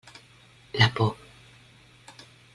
La por.